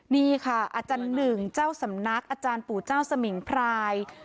นี่ค่ะอาจารย์หนึ่งเจ้าสำนักอาจารย์ปู่เจ้าสมิงพราย